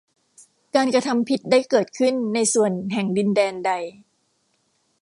การกระทำผิดได้เกิดขึ้นในส่วนแห่งดินแดนใด